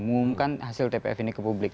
mengumumkan hasil tpf ini ke publik